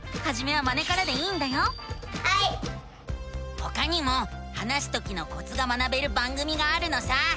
ほかにも話すときのコツが学べる番組があるのさ！